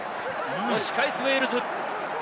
押し返すウェールズ。